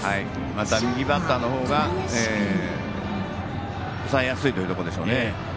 まだ右バッターの方が抑えやすいということでしょうね。